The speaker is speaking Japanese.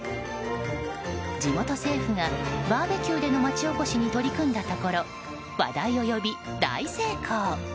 地元政府がバーベキューでの町おこしに取り組んだところ話題を呼び、大成功。